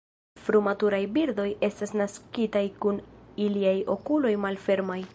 Frumaturaj birdoj estas naskitaj kun iliaj okuloj malfermaj.